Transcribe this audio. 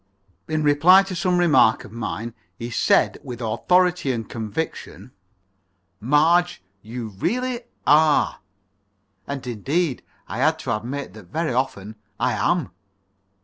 In reply to some remark of mine, he said with authority and conviction: "Marge, you really are." And, indeed, I had to admit that very often I am.